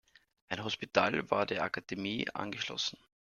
Ein Hospital war der Akademie angeschlossen.